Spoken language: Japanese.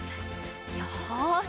よし！